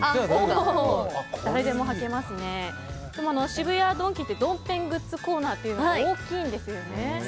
渋谷ドンキってドンペングッズコーナーが大きいんですよね。